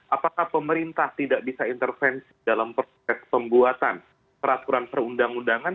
apakah pemerintah tidak bisa intervensi dalam proses pembuatan peraturan perundang undangan